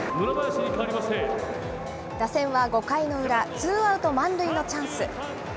打線は５回の裏、ツーアウト満塁のチャンス。